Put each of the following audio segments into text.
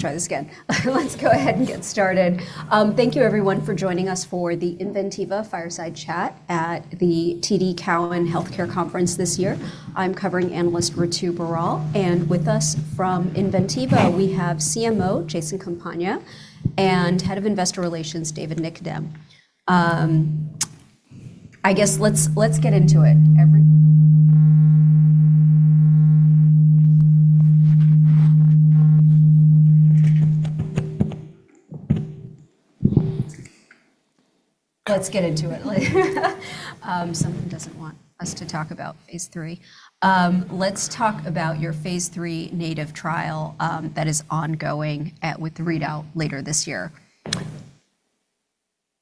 Let's try this again. Let's go ahead and get started. Thank you everyone for joining us for the Inventiva Fireside Chat at the TD Cowen Healthcare Conference this year. I'm covering analyst Ritu Baral, with us from Inventiva, we have CMO Jason Campagna and Head of Investor Relations, David Nikodem. I guess let's get into it. Let's get into it. Someone doesn't want us to talk about phase III. Let's talk about your phase III NATiV3 trial that is ongoing with the readout later this year.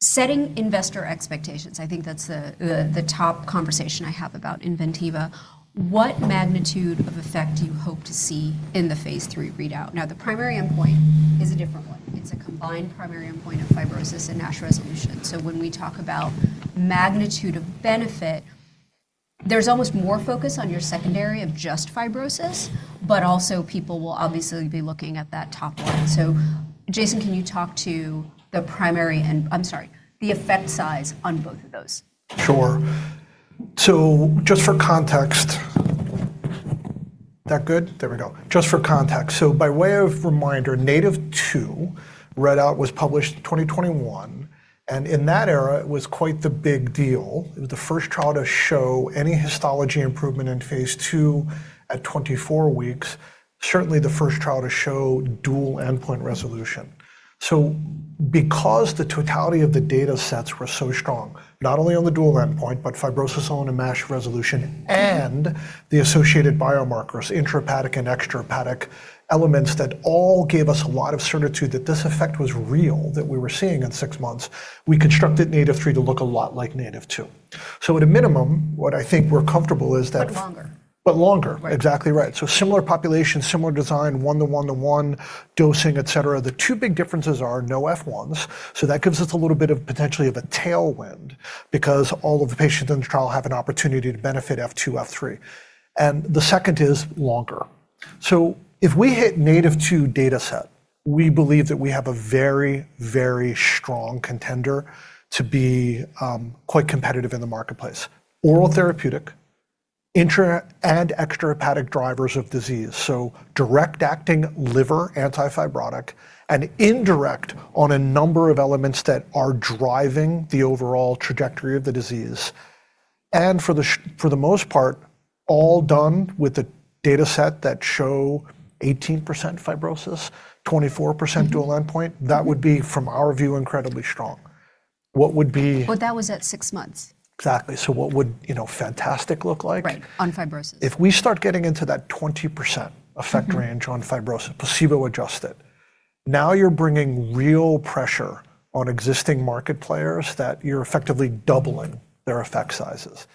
Setting investor expectations, I think that's the top conversation I have about Inventiva. What magnitude of effect do you hope to see in the phase III readout? The primary endpoint is a different one. It's a combined primary endpoint of fibrosis and NASH resolution. When we talk about magnitude of benefit, there's almost more focus on your secondary of just fibrosis, but also people will obviously be looking at that top one. Jason, can you talk to the I'm sorry, the effect size on both of those? Sure. Just for context. That good? There we go. Just for context, by way of reminder, NATIVE two readout was published in 2021, and in that era it was quite the big deal. It was the first trial to show any histology improvement in phase II at 24 weeks. Certainly the first trial to show dual endpoint resolution. Because the totality of the datasets were so strong, not only on the dual endpoint, but fibrosis on a MASH resolution and the associated biomarkers, intrahepatic and extrahepatic elements that all gave us a lot of certitude that this effect was real, that we were seeing in six months, we constructed NATiV3 to look a lot like NATIVE two. At a minimum, what I think we're comfortable is that... Longer. Longer. Right. Exactly right. Similar population, similar design, one to one to one dosing, et cetera. The two big differences are no F1s, so that gives us a little bit of potentially of a tailwind because all of the patients in the trial have an opportunity to benefit F2, F3. The second is longer. If we hit NATIVE 2 dataset, we believe that we have a very, very strong contender to be quite competitive in the marketplace. Oral therapeutic, intra and extrahepatic drivers of disease. Direct acting liver, anti-fibrotic and indirect on a number of elements that are driving the overall trajectory of the disease. For the most part, all done with the dataset that show 18% fibrosis, 24% dual endpoint. That would be, from our view, incredibly strong. What would be. That was at six months. Exactly. What would, you know, fantastic look like? Right. On fibrosis. If we start getting into that 20% effect range on fibrosis, placebo adjusted, now you're bringing real pressure on existing market players that you're effectively doubling their effect sizes.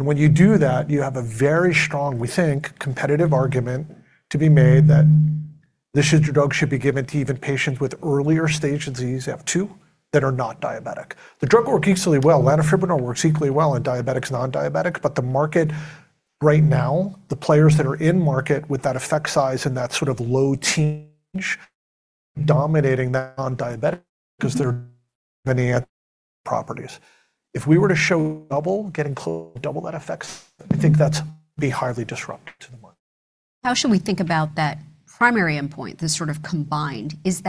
When you do that, you have a very strong, we think, competitive argument to be made that drug should be given to even patients with earlier stage disease, F2, that are not diabetic. The drug will work equally well. Lanifibranor works equally well in diabetics and non-diabetics, the market right now, the players that are in market with that effect size and that sort of low teenage dominating the non-diabetic because they're many properties. If we were to show double, getting close to double that effect, I think that's be highly disruptive to the market. How should we think about that primary endpoint, the sort of combined? Is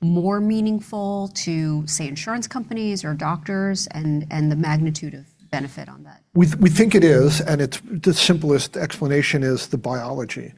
that more meaningful to, say, insurance companies or doctors and the magnitude of benefit on that? We think it is, it's the simplest explanation is the biology.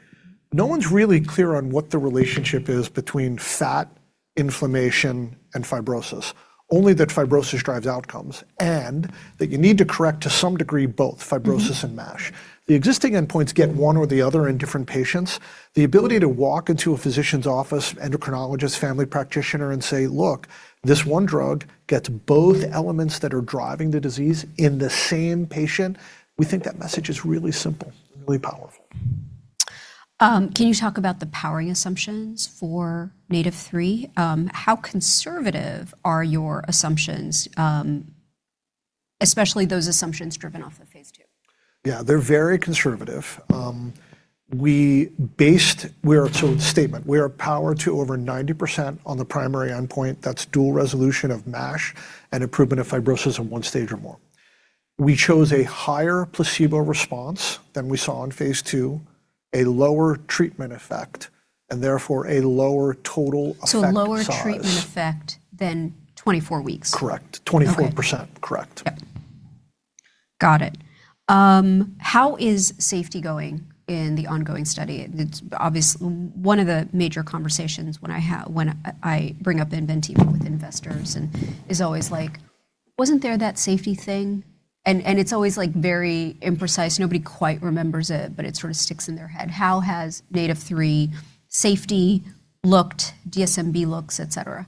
No one's really clear on what the relationship is between fat, inflammation, and fibrosis. Only that fibrosis drives outcomes, and that you need to correct to some degree, both fibrosis and MASH. The existing endpoints get one or the other in different patients. The ability to walk into a physician's office, endocrinologist, family practitioner, and say, "Look, this one drug gets both elements that are driving the disease in the same patient." We think that message is really simple and really powerful. Can you talk about the powering assumptions for NATiV3? How conservative are your assumptions, especially those assumptions driven off of phase II? They're very conservative. We are powered to over 90% on the primary endpoint. That's dual resolution of MASH and improvement of fibrosis in one stage or more. We chose a higher placebo response than we saw in phase II, a lower treatment effect, and therefore a lower total effect size. Lower treatment effect than 24 weeks. Correct. Okay. 24%. Correct. Yep. Got it. How is safety going in the ongoing study? It's one of the major conversations when I bring up Inventiva with investors and is always like, "Wasn't there that safety thing?" It's always like very imprecise. Nobody quite remembers it, but it sort of sticks in their head. How has NATiV3 safety looked, DSMB looks, et cetera?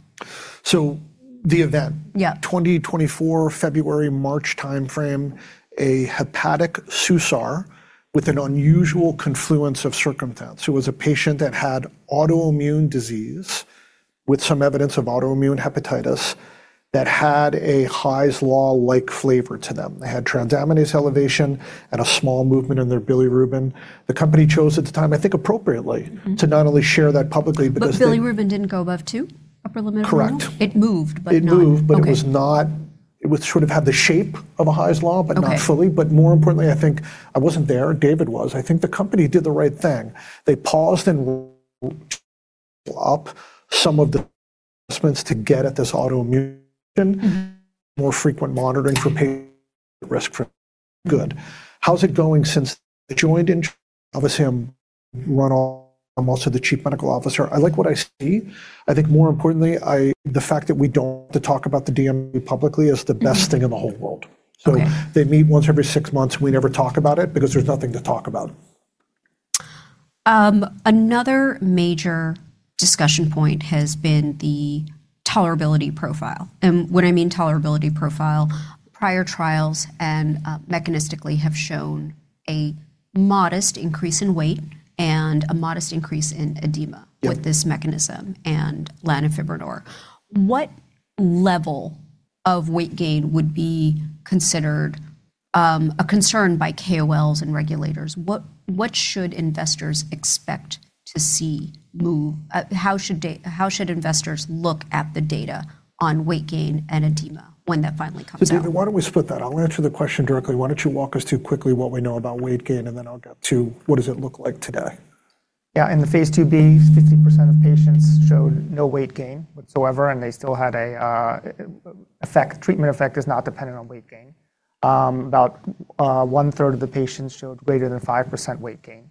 The event. Yeah. 2024, February, March timeframe. A hepatic SUSAR with an unusual confluence of circumstance. It was a patient that had autoimmune disease with some evidence of autoimmune hepatitis that had a Hy's Law-like flavor to them. They had transaminase elevation and a small movement in their bilirubin. The company chose at the time, I think appropriately. Mm-hmm.... to not only share that publicly because Bilirubin didn't go above two, upper limit of normal? Correct. It moved, but not- It moved- Okay.... it was not. It would sort of have the shape of a Hy's Law, but not. Okay.... fully. More importantly, I think I wasn't there, David was. I think the company did the right thing. They paused and some of the assessments to get at this autoimmune, more frequent monitoring for risk for good. How's it going since I joined in? Obviously, I'm run on, I'm also the chief medical officer. I like what I see. I think more importantly, the fact that we don't have to talk about the DMC publicly is the best thing in the whole world. Okay. They meet once every six months. We never talk about it because there's nothing to talk about. Another major discussion point has been the tolerability profile. What I mean tolerability profile, prior trials and mechanistically have shown a modest increase in weight and a modest increase in edema. Yeah.... with this mechanism and lanifibranor. What level of weight gain would be considered a concern by KOLs and regulators? What should investors expect to see move? How should investors look at the data on weight gain and edema when that finally comes out? David, why don't we split that? I'll answer the question directly. Why don't you walk us through quickly what we know about weight gain, and then I'll get to what does it look like today? Yeah. In the phase II, 50% of patients showed no weight gain whatsoever, and they still had a effect. Treatment effect is not dependent on weight gain. About one-third of the patients showed greater than 5% weight gain.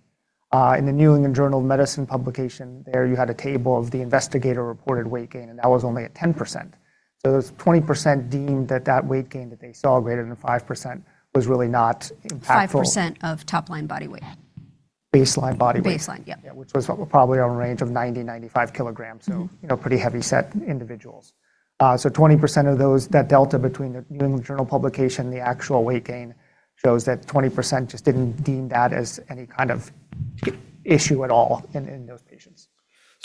In The New England Journal of Medicine publication there, you had a table of the investigator-reported weight gain, and that was only at 10%. Those 20% deemed that that weight gain that they saw greater than 5% was really not impactful. 5% of top line body weight. Baseline body weight. Baseline, yep. Yeah, which was probably on a range of 90 kg-95 kg. Mm-hmm. you know, pretty heavy set individuals. 20% of those, that delta between the New England Journal publication, the actual weight gain shows that 20% just didn't deem that as any kind of issue at all in those patients.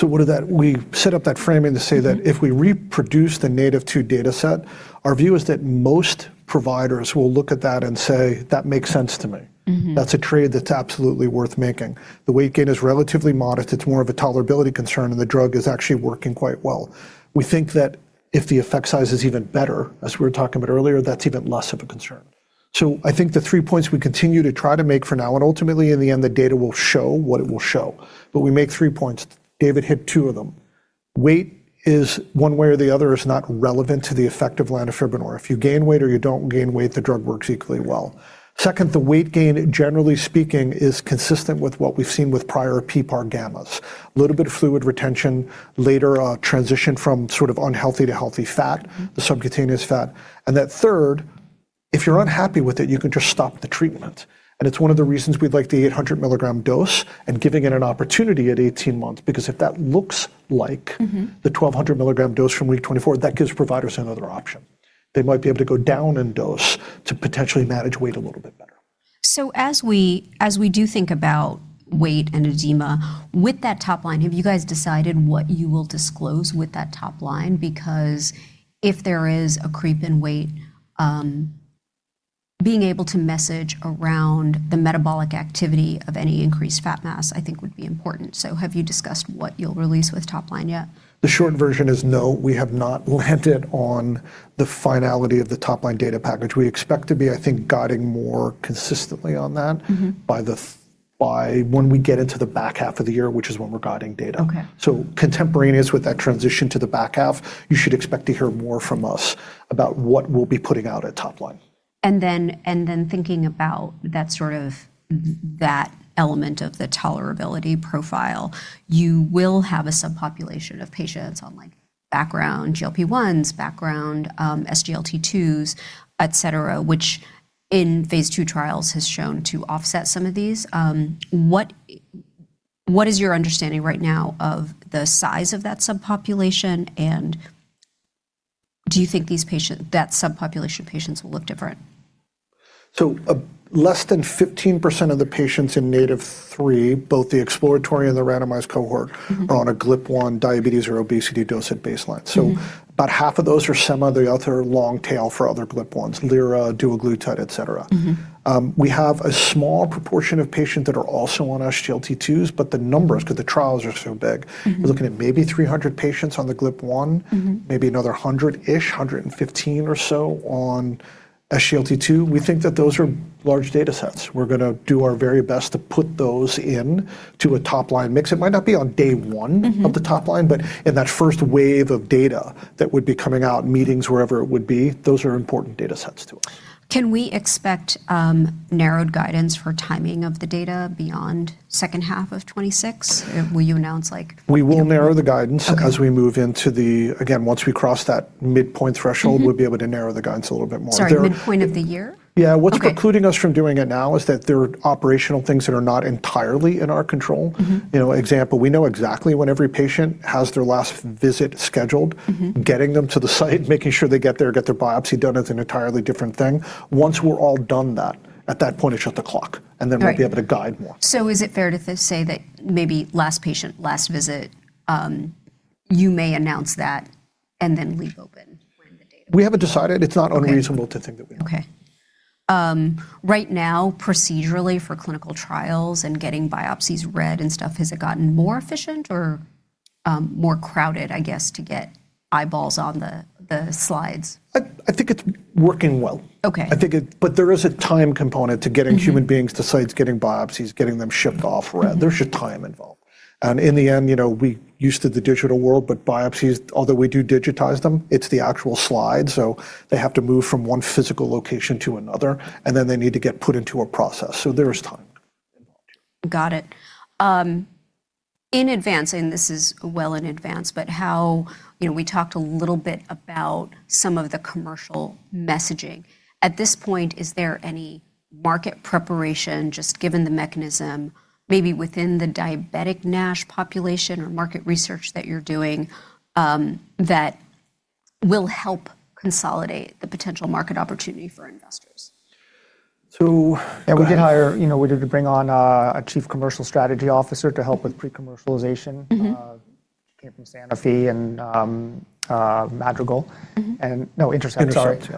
We set up that framing to say that. Mm-hmm.... if we reproduce the NATIVE 2 dataset, our view is that most providers will look at that and say, "That makes sense to me. Mm-hmm. That's a trade that's absolutely worth making. The weight gain is relatively modest. It's more of a tolerability concern, and the drug is actually working quite well. We think that if the effect size is even better, as we were talking about earlier, that's even less of a concern. I think the three points we continue to try to make for now, and ultimately in the end, the data will show what it will show, but we make three points. David Nikodem hit two of them. Weight is, one way or the other, is not relevant to the effect of lanifibranor. If you gain weight or you don't gain weight, the drug works equally well. Second, the weight gain, generally speaking, is consistent with what we've seen with prior PPAR-gamma. Little bit of fluid retention, later a transition from sort of unhealthy to healthy fat- Mm-hmm.... the subcutaneous fat. Third, if you're unhappy with it, you can just stop the treatment. It's one of the reasons we'd like the 800 milligram dose and giving it an opportunity at 18 months, because if that looks like- Mm-hmm.... the 1,200 mg dose from week 24, that gives providers another option. They might be able to go down in dose to potentially manage weight a little bit better. As we do think about weight and edema, with that top line, have you guys decided what you will disclose with that top line? If there is a creep in weight, being able to message around the metabolic activity of any increased fat mass, I think would be important. Have you discussed what you'll release with top line yet? The short version is no. We have not landed on the finality of the top line data package. We expect to be, I think, guiding more consistently on that. Mm-hmm.... by when we get into the back half of the year, which is when we're guiding data. Okay. Contemporaneous with that transition to the back half, you should expect to hear more from us about what we'll be putting out at top line. Thinking about that sort of that element of the tolerability profile, you will have a subpopulation of patients on like background GLP-1s, background SGLT2s, et cetera, which in phase II trials has shown to offset some of these. What is your understanding right now of the size of that subpopulation, and do you think that subpopulation of patients will look different? Less than 15% of the patients in NATiV3, both the exploratory and the randomized cohort-. Mm-hmm. Are on a GLP-1 diabetes or obesity dose at baseline. Mm-hmm. About half of those are some other long tail for other GLP-1s, Liraglutide, dulaglutide, et cetera. Mm-hmm. We have a small proportion of patients that are also on SGLT2s, but the numbers, 'cause the trials are so big. Mm-hmm. We're looking at maybe 300 patients on the GLP-1. Mm-hmm. Maybe another 100-ish, 115 or so on SGLT2. We think that those are large datasets. We're gonna do our very best to put those in to a top line mix. It might not be on day one. Mm-hmm.... of the top line, but in that first wave of data that would be coming out in meetings, wherever it would be, those are important datasets to us. Can we expect narrowed guidance for timing of the data beyond second half of 2026? Will you announce? We will narrow the guidance. Okay. Once we cross that midpoint threshold. Mm-hmm. We'll be able to narrow the guidance a little bit more. Sorry, midpoint of the year? Yeah. Okay. What's concluding us from doing it now is that there are operational things that are not entirely in our control. Mm-hmm. You know, example, we know exactly when every patient has their last visit scheduled. Mm-hmm. Getting them to the site, making sure they get there, get their biopsy done is an entirely different thing. Once we're all done that, at that point I shut the clock, and then- Right.... we'll be able to guide more. Is it fair to say that maybe last patient, last visit, you may announce that and then leave open? We haven't decided. It's not unreasonable to think that we will. Okay. Right now, procedurally for clinical trials and getting biopsies read and stuff, has it gotten more efficient or, more crowded, I guess, to get eyeballs on the slides? I think it's working well. Okay. I think it. There is a time component to- Mm-hmm.... human beings to sites, getting biopsies, getting them shipped off, read. There's just time involved. In the end, you know, we're used to the digital world, but biopsies, although we do digitize them, it's the actual slide, so they have to move from one physical location to another, and then they need to get put into a process. There is time involved. Got it. In advance, and this is well in advance. You know, we talked a little bit about some of the commercial messaging. At this point, is there any market preparation just given the mechanism, maybe within the diabetic NASH population or market research that you're doing, that will help consolidate the potential market opportunity for investors? Go ahead. You know, we did to bring on a chief commercial strategy officer to help with pre-commercialization. Mm-hmm. She came from Sanofi and Madrigal. No, Intercept. Intercept.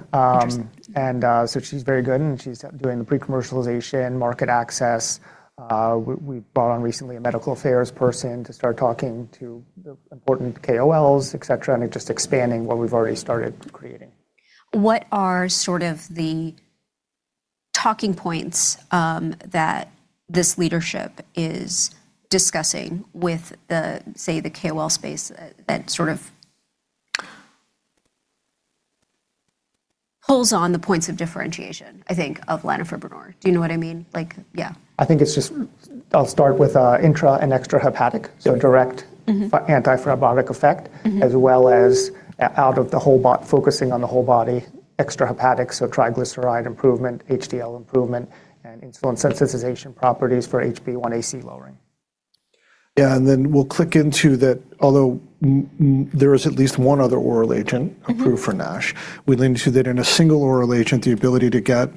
Intercept. So she's very good, and she's doing the pre-commercialization market access. We brought on recently a medical affairs person to start talking to the important KOLs, et cetera, and just expanding what we've already started creating. What are sort of the talking points, that this leadership is discussing with the, say, the KOL space that sort of pulls on the points of differentiation, I think, of lanifibranor? Do you know what I mean? Like, yeah. I think it's just I'll start with, intra and extrahepatic. Sure. So direct- Mm-hmm. Anti-fibrotic effect- Mm-hmm... as well as out of the whole focusing on the whole body, extrahepatic, so triglyceride improvement, HDL improvement, and insulin sensitization properties for HbA1c lowering. Yeah, then we'll click into that although there is at least one other oral agent. Mm-hmm Approved for NASH. We lean to that in a single oral agent, the ability to get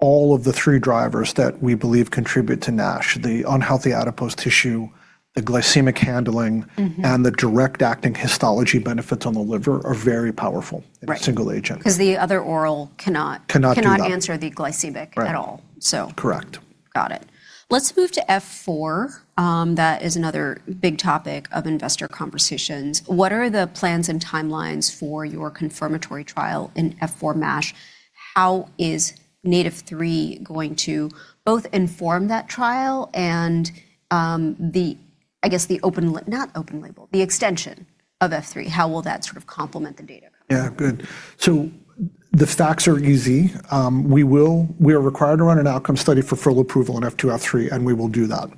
all of the three drivers that we believe contribute to NASH, the unhealthy adipose tissue, the glycemic handling- Mm-hmm.... and the direct acting histology benefits on the liver are very powerful. Right. In a single agent. 'Cause the other oral. Cannot do that. Cannot answer the glycemic at all. Right. So. Correct. Got it. Let's move to F4. That is another big topic of investor conversations. What are the plans and timelines for your confirmatory trial in F4 MASH? How is NATiV3 going to both inform that trial and the extension of F3? How will that sort of complement the data? Yeah, good. The stacks are easy. We are required to run an outcome study for full approval in F2, F3, and we will do that.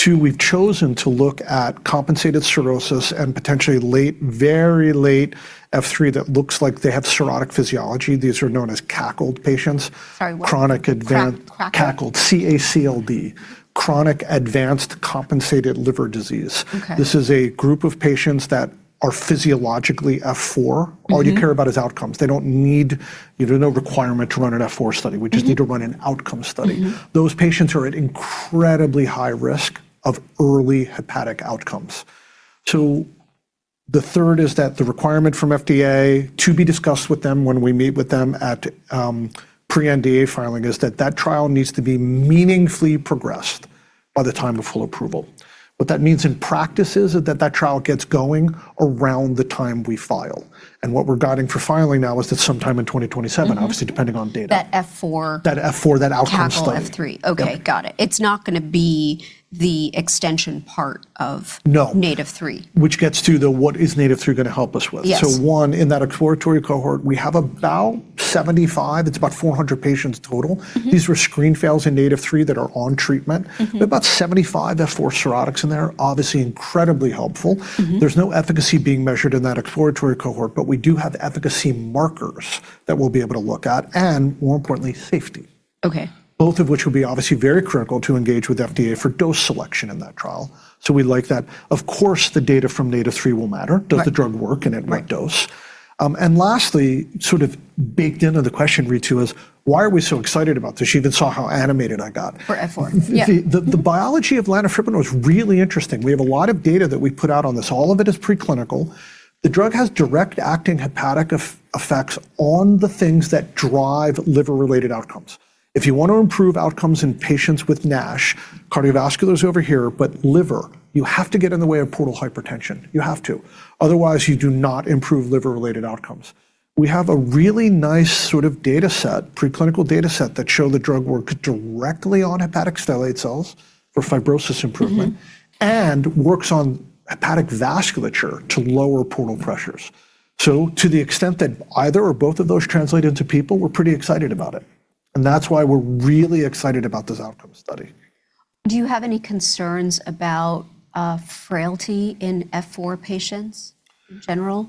Two, we've chosen to look at compensated cirrhosis and potentially late, very late F3 that looks like they have cirrhotic physiology. These are known as cACLD patients. Sorry, what? Chronic advan- cACLD? cACLD, c-A-C-L-D. Chronic advanced compensated liver disease. Okay. This is a group of patients that are physiologically F4. Mm-hmm. All you care about is outcomes. There's no requirement to run an F4 study. Mm-hmm. We just need to run an outcome study. Mm-hmm. Those patients are at incredibly high risk of early hepatic outcomes. The third is that the requirement from FDA to be discussed with them when we meet with them at pre-NDA filing is that that trial needs to be meaningfully progressed by the time of full approval. What that means in practice is that that trial gets going around the time we file. What we're guiding for filing now is that sometime in 2027- Mm-hmm... obviously, depending on data. That F4. That F4, that outcome study. cACLD F3. Okay. Yeah. Got it. It's not gonna be the extension part. No.... NATiV3. Which gets to the what is NATiV3 gonna help us with. Yes. one, in that exploratory cohort, we have about 75, it's about 400 patients total. Mm-hmm. These were screen fails in NATiV3 that are on treatment. Mm-hmm. We have about 75 F4 cirrhotics in there, obviously incredibly helpful. Mm-hmm. There's no efficacy being measured in that exploratory cohort, but we do have efficacy markers that we'll be able to look at, and more importantly, safety. Okay. Both of which will be obviously very critical to engage with FDA for dose selection in that trial. We like that. Of course, the data from NATiV3 will matter. Right. Does the drug work in that dose? Right. Lastly, sort of baked into the question, Ritu, is why are we so excited about this? You even saw how animated I got. For F4. Yeah. The biology of lanifibranor is really interesting. We have a lot of data that we put out on this. All of it is preclinical. The drug has direct acting hepatic effects on the things that drive liver related outcomes. If you want to improve outcomes in patients with NASH, cardiovascular is over here, but liver, you have to get in the way of portal hypertension. You have to. Otherwise, you do not improve liver related outcomes. We have a really nice sort of dataset, preclinical dataset, that show the drug works directly on hepatic stellate cells for fibrosis improvement- Mm-hmm.... and works on hepatic vasculature to lower portal pressures. To the extent that either or both of those translate into people, we're pretty excited about it, and that's why we're really excited about this outcome study. Do you have any concerns about frailty in F4 patients in general?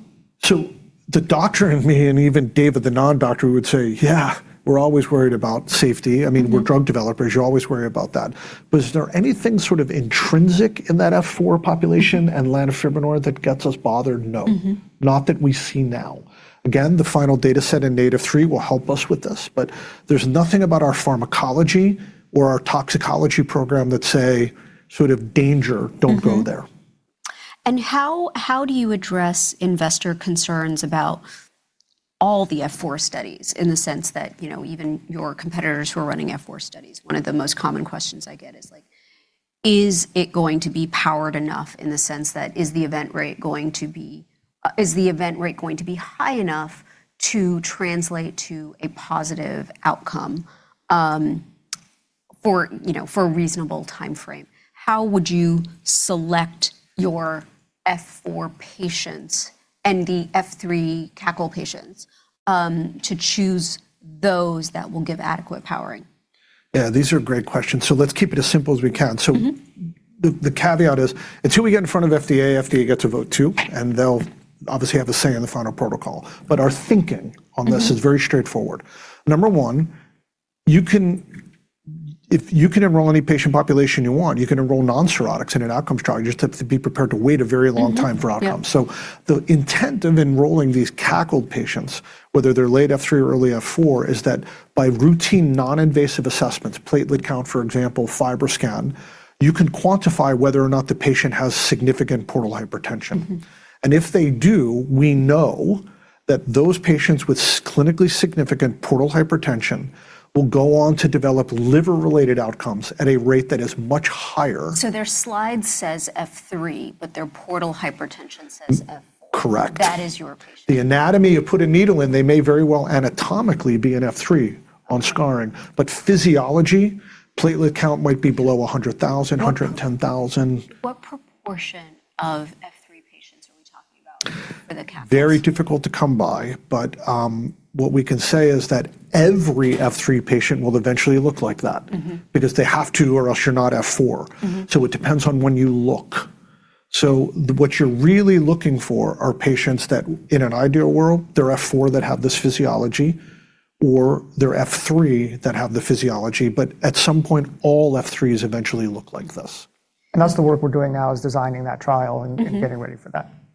The doctor in me, and even David, the non-doctor, would say, "Yeah, we're always worried about safety." I mean. Mm-hmm we're drug developers. You always worry about that. Is there anything sort of intrinsic in that F4 population? Mm-hmm.... and lanifibranor that gets us bothered? No. Mm-hmm. Not that we see now. Again, the final dataset in NATiV3 will help us with this, but there's nothing about our pharmacology or our toxicology program that say sort of, "Danger, don't go there. How do you address investor concerns about all the F4 studies in the sense that, you know, even your competitors who are running F4 studies? One of the most common questions I get is like, is it going to be powered enough in the sense that is the event rate going to be high enough to translate to a positive outcome, for, you know, for a reasonable timeframe? How would you select your F4 patients and the F3 cACLD patients, to choose those that will give adequate powering? Yeah, these are great questions. Let's keep it as simple as we can. Mm-hmm. The caveat is until we get in front of FDA gets a vote too, and they'll obviously have a say in the final protocol. Our thinking on this. Mm-hmm. Is very straightforward. Number one, If you can enroll any patient population you want, you can enroll non-cirrhotics in an outcomes trial. You just have to be prepared to wait a very long time for outcomes. Mm-hmm. Yep. The intent of enrolling these cACLD patients, whether they're late F3 or early F4, is that by routine non-invasive assessments, platelet count, for example, FibroScan, you can quantify whether or not the patient has significant portal hypertension. Mm-hmm. If they do, we know that those patients with clinically significant portal hypertension will go on to develop liver-related outcomes at a rate that is much higher. Their slide says F3, but their portal hypertension says F4. Correct. That is your prediction. The anatomy, you put a needle in, they may very well anatomically be an F3 on scarring. Physiology, platelet count might be below 100,000, 110,000. What proportion of F3 patients are we talking about for the cACLD? Very difficult to come by, but, what we can say is that every F3 patient will eventually look like that. Mm-hmm. They have to, or else you're not F4. Mm-hmm. It depends on when you look. What you're really looking for are patients that, in an ideal world, they're F4 that have this physiology or they're F3 that have the physiology. At some point, all F3s eventually look like this. That's the work we're doing now is designing that trial. Mm-hmm. getting ready for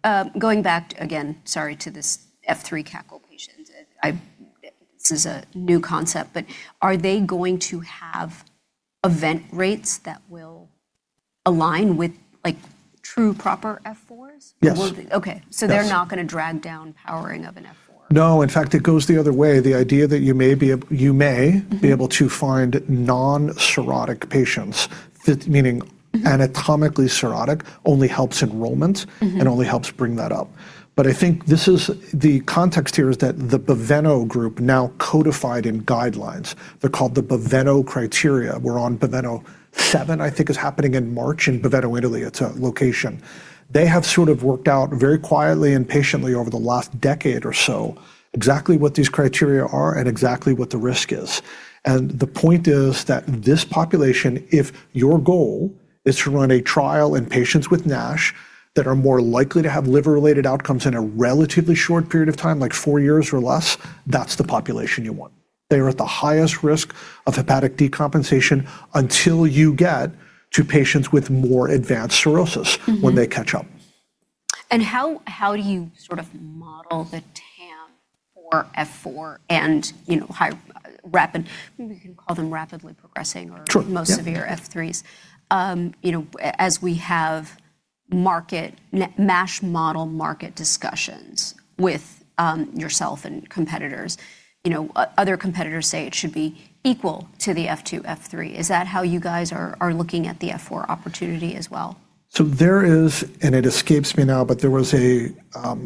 that. going back again, sorry, to this F3 cACLD patient. This is a new concept, are they going to have event rates that will align with like true proper F4s? Yes. Okay. Yes. They're not gonna drag down powering of an F4. No. In fact, it goes the other way. The idea that. Mm-hmm. be able to find non-cirrhotic patients. Meaning anatomically cirrhotic only helps enrollment. Mm-hmm. Only helps bring that up. I think the context here is that the Baveno group now codified in guidelines. They're called the Baveno criteria. We're on Baveno seven, I think is happening in March in Baveno, Italy. It's a location. They have sort of worked out very quietly and patiently over the last decade or so exactly what these criteria are and exactly what the risk is. The point is that this population, if your goal is to run a trial in patients with NASH that are more likely to have liver-related outcomes in a relatively short period of time, like four years or less, that's the population you want. They are at the highest risk of hepatic decompensation until you get to patients with more advanced cirrhosis. Mm-hmm. When they catch up. How do you sort of model the TAM for F4 and, you know, maybe we can call them rapidly progressing or... Sure. Yeah. -most severe F3s. you know, as we have MASH model market discussions with yourself and competitors. You know, other competitors say it should be equal to the F2, F3. Is that how you guys are looking at the F4 opportunity as well? There is, and it escapes me now, but there was a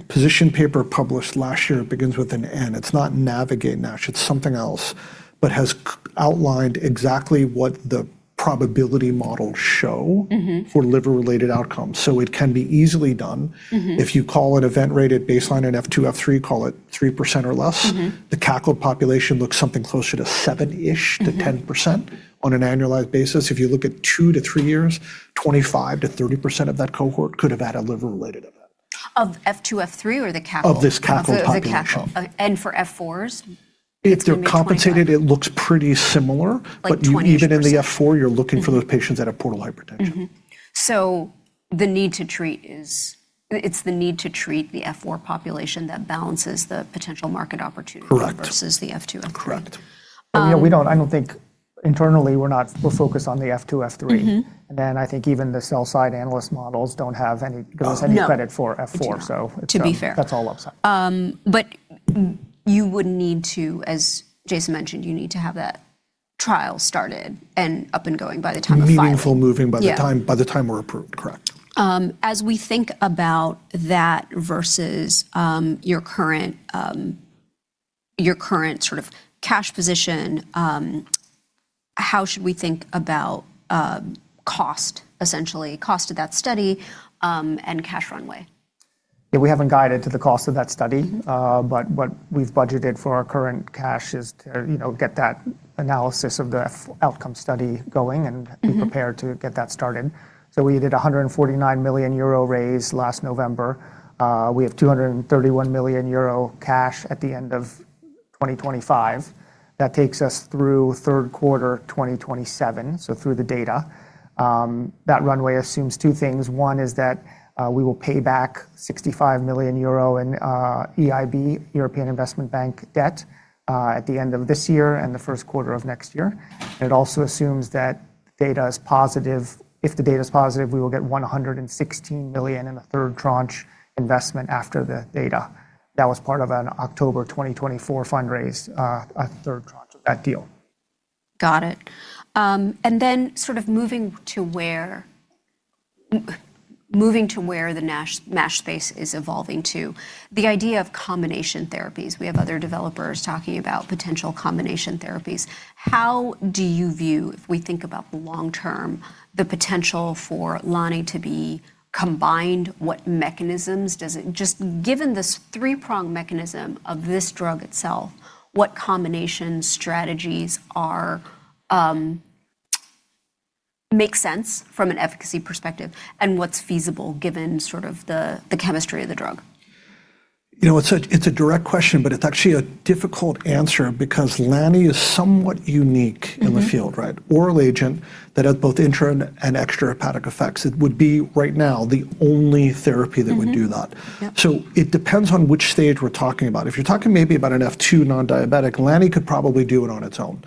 position paper published last year. It begins with an N. It's not NAVIGATE NASH, it's something else, but has outlined exactly what the probability models show- Mm-hmm. -for liver-related outcomes. It can be easily done. Mm-hmm. If you call an event rate at baseline in F2, F3, call it 3% or less. Mm-hmm. The cACLD population looks something closer to seven-ish to 10% on an annualized basis. If you look at two-three years, 25%-30% of that cohort could have had a liver-related event. Of F2, F3, or the cACLD? Of this cACLD population. Of the cACLD. For F4s? Between the 25- If they're compensated, it looks pretty similar. Like 20%. Even in the F4, you're looking for those patients that have portal hypertension. It's the need to treat the F4 population that balances the potential market opportunity. Correct. -versus the F2, F3. Correct. Um- yeah, I don't think internally we're focused on the F2, F3. Mm-hmm. I think even the sell-side analyst models don't have any, gives any credit for F4. No, they do not. To be fair. That's all upside. You would need to, as Jason mentioned, you need to have that trial started and up and going by the time of filing. Meaningful moving by the time. Yeah. by the time we're approved. Correct. as we think about that versus, your current sort of cash position, how should we think about cost, essentially? Cost of that study and cash runway? Yeah, we haven't guided to the cost of that study. What we've budgeted for our current cash is to, you know, get that analysis of the outcome study going. Mm-hmm. Be prepared to get that started. We did 149 million euro raise last November. We have 231 million euro cash at the end of 2025. That takes us through third quarter 2027, so through the data. That runway assumes two things. One is that we will pay back 65 million euro in EIB, European Investment Bank debt, at the end of this year and the first quarter of next year. It also assumes that data is positive. If the data is positive, we will get 116 million in a third tranche investment after the data. That was part of an October 2024 fundraise, a third tranche of that deal. Got it. Moving to where the NASH space is evolving to, the idea of combination therapies. We have other developers talking about potential combination therapies. How do you view, if we think about the long term, the potential for lanifibranor to be combined? What mechanisms. Just given this three-prong mechanism of this drug itself, what combination strategies are make sense from an efficacy perspective, and what's feasible given sort of the chemistry of the drug? You know, it's a direct question, but it's actually a difficult answer because lanifibranor is somewhat unique- Mm-hmm.... in the field, right? Oral agent that has both intra and extrahepatic effects. It would be right now the only therapy that would do that. Yep. It depends on which stage we're talking about. If you're talking maybe about an F2 non-diabetic, lanifibranor could probably do it on its own,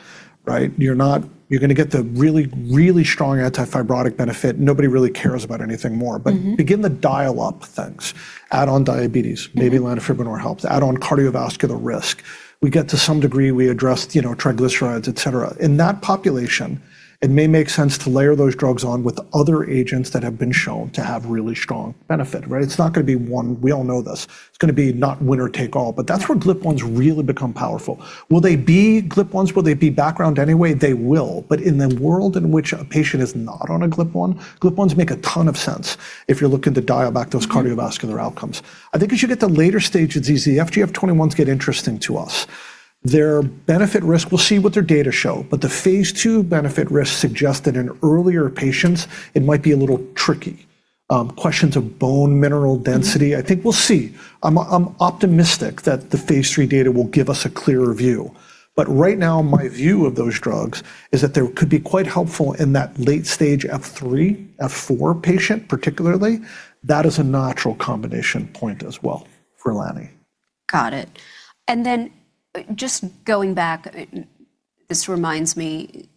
right? You're gonna get the really, really strong anti-fibrotic benefit. Nobody really cares about anything more. Mm-hmm. Begin to dial up things. Add on diabetes. Mm-hmm. Maybe lanifibranor helps. Add on cardiovascular risk. We get to some degree, we address, you know, triglycerides, et cetera. In that population, it may make sense to layer those drugs on with other agents that have been shown to have really strong benefit, right? It's not gonna be one. We all know this. It's gonna be not winner take all, but that's where GLP-1s really become powerful. Will they be GLP-1s? Will they be background anyway? They will, but in the world in which a patient is not on a GLP-1, GLP-1s make a ton of sense if you're looking to dial back those cardiovascular outcomes. I think as you get to later stage of FGF21s get interesting to us. Their benefit risk, we'll see what their data show, but the phase II benefit risk suggests that in earlier patients it might be a little tricky. Questions of bone mineral density. I think we'll see. I'm optimistic that the phase three data will give us a clearer view, but right now my view of those drugs is that they could be quite helpful in that late stage F3, F4 patient particularly. That is a natural combination point as well for lanifibranor. Got it. Just going back, this reminds me,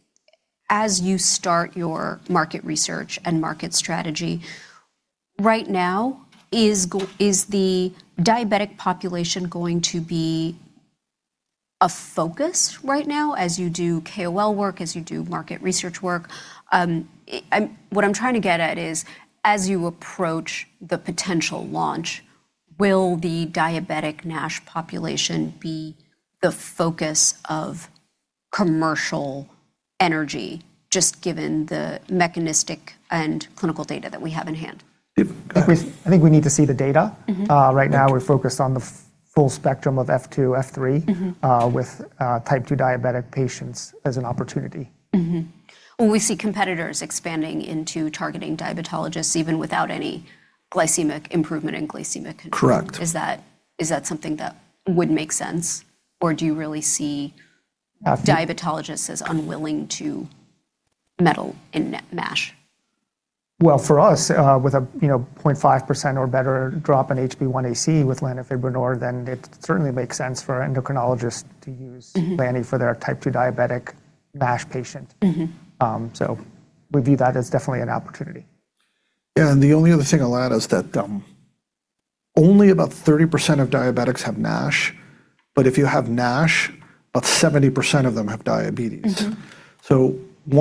as you start your market research and market strategy, right now, is the diabetic population going to be a focus right now as you do KOL work, as you do market research work? What I'm trying to get at is, as you approach the potential launch, will the diabetic NASH population be the focus of commercial energy, just given the mechanistic and clinical data that we have in hand? Go ahead. I think we need to see the data. Mm-hmm. right now we're focused on the full spectrum of F2, F3. Mm-hmm. ...with, type 2 diabetic patients as an opportunity. When we see competitors expanding into targeting diabetologists, even without any glycemic improvement in glycemic control... Correct. ...is that something that would make sense? do you really I th- ...diabetologists as unwilling to meddle in NASH? Well, for us, with a, you know, 0.5% or better drop in HbA1c with lanifibranor, then it certainly makes sense for endocrinologists to use-. Mm-hmm. ...lanifibranor for their type 2 diabetic NASH patient. Mm-hmm. We view that as definitely an opportunity. Yeah, the only other thing I'll add is that, only about 30% of diabetics have MASH, but if you have MASH, about 70% of them have diabetes. Mm-hmm.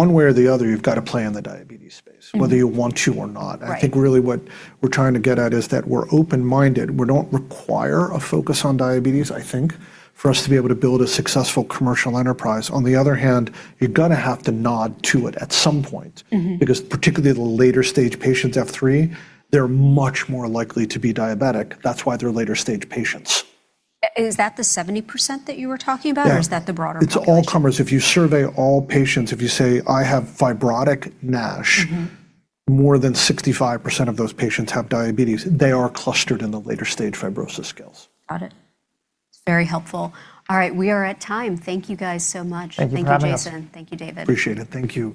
one way or the other, you've got to play in the diabetes space- Mm-hmm. ...whether you want to or not. Right. I think really what we're trying to get at is that we're open-minded. We don't require a focus on diabetes, I think, for us to be able to build a successful commercial enterprise. On the other hand, you're gonna have to nod to it at some point. Mm-hmm. Particularly the later stage patients, F3, they're much more likely to be diabetic. That's why they're later stage patients. Is that the 70% that you were talking about? Yeah. Is that the broader population? It's all comers. If you survey all patients, if you say, "I have fibrotic NASH- Mm-hmm. ...more than 65% of those patients have diabetes. They are clustered in the later stage fibrosis scales. Got it. Very helpful. All right, we are at time. Thank you guys so much. Thank you for having us. Thank you, Jason. Thank you, David. Appreciate it. Thank you.